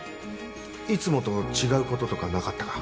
いつもと違うこととかなかったか？